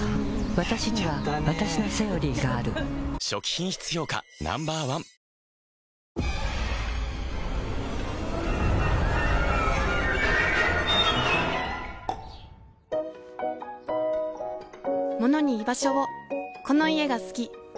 わたしにはわたしの「セオリー」がある初期品質評価Ｎｏ．１バシャバシャ：なんで！